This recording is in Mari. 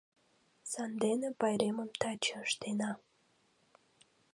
Сандене пайремым таче ыштена.